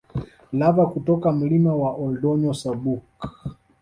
Lava kutoka Mlima wa Ol Doinyo Sabuk